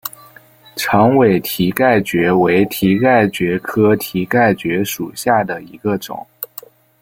长尾蹄盖蕨为蹄盖蕨科蹄盖蕨属下的一个种。